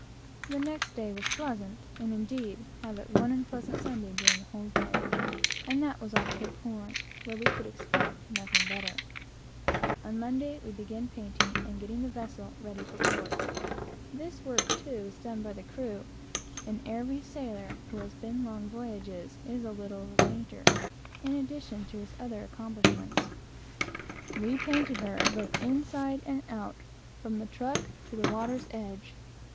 The next day was pleasant, and indeed we had but one unpleasant Sunday during the whole voyage, and that was off Cape Horn, where we could expect nothing better. On Monday we commenced painting, and getting the vessel ready for port. This work, too, is done by the crew, and every sailor who has been long voyages is a little of a painter, in addition to his other accomplishments. We painted her, both inside and out, from the truck to the water's edge.